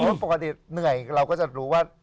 เพราะปกติเหนื่อยเราก็จะรู้ว่า